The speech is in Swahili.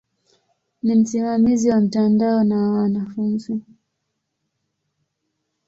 Ni msimamizi wa mtandao na wa wanafunzi.